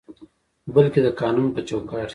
بلکې د قانون په چوکاټ کې